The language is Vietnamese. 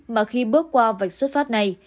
mà khi bước qua vạch xuất phát này